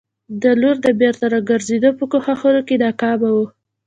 د لور د بېرته راګرزېدو په کوښښونو کې ناکامه وو.